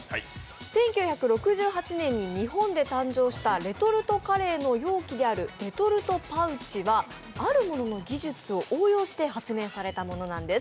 １９６８年に日本で誕生したレトルトカレーのパウチである技術はあるものの技術を応用して発明されたものなんです。